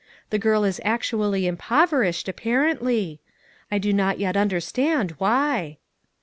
The girl is actually im poverished, apparently; I do not yet under stand why."